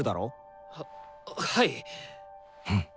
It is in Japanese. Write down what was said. はっはい！